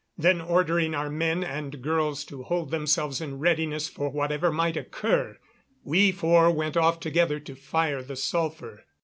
Then, ordering our men and girls to hold themselves in readiness for whatever might occur, we four went off together to fire the sulphur.